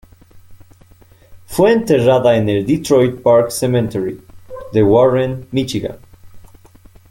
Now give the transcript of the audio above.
Fue enterrada en el Detroit Park Cemetery de Warren, Michigan.